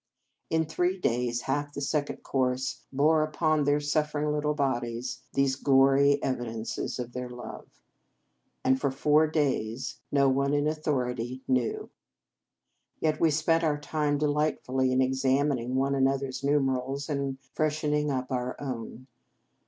In three days half the Second Cours bore upon their suffering little bodies these gory evidences of their love. And for four days no one in authority 249 In Our Convent Days knew. Yet we spent our time delight fully in examining one another s nu merals, and freshening up our own.